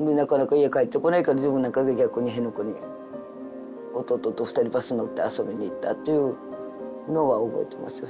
でなかなか家帰ってこないから自分なんか逆に辺野古に弟と２人バスに乗って遊びに行ったっていうのは覚えてますよ。